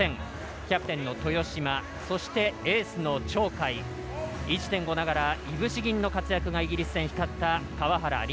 キャプテンの豊島そして、エースの鳥海１．５ながらいぶし銀の活躍がイギリス戦光った川原凜。